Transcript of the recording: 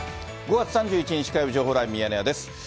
５月３１日火曜日、情報ライブミヤネ屋です。